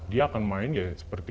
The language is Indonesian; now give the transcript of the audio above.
dia akan main seperti